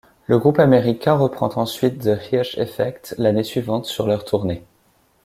Le groupe américain reprend ensuite The Hirsch Effekt l'année suivante sur leur tournée.